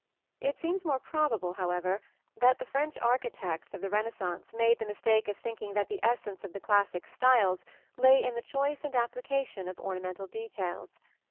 It seems more probable, however, that the French architects of the Renaissance made the mistake of thinking that the essence of the classic styles lay in the choice and application of ornamental details.